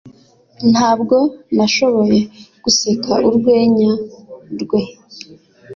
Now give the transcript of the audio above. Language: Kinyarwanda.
Ntabwo nashoboye guseka urwenya rwe.